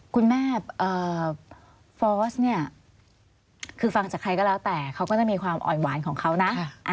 คุณแม่ฟอสเนี่ยคือฟังจากใครก็แล้วแต่เขาก็จะมีความอ่อนหวานของเขานะ